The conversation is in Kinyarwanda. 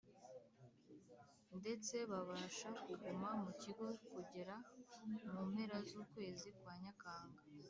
ndetse babasha kuguma mu kigo kugera mu mpera z ukwezi kwa Nyakanga